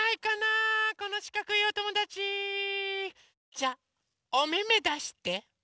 じゃおめめだして。